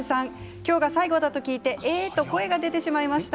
今日が最後だと聞いてええ、と声が出てしまいました。